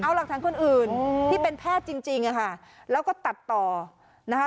เอาหลักฐานคนอื่นที่เป็นแพทย์จริงจริงอะค่ะแล้วก็ตัดต่อนะคะ